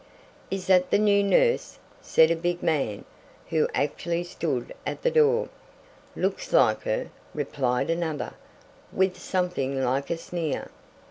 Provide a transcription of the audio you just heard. "Is that the new nurse?" said a big man, who actually stood at the door. "Looks like her," replied another, with something like a sneer.